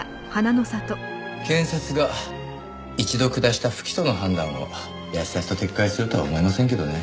検察が一度下した不起訴の判断をやすやすと撤回するとは思えませんけどね。